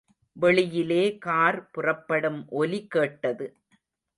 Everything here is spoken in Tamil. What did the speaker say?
வெளியிலே கார் புறப்படும் ஒலி கேட்டது.